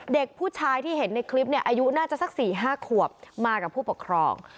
เด็กผู้ชายที่เห็นในคลิปเนี่ยอายุน่าจะสัก๔๕ขวบมากับผู้ปกครอง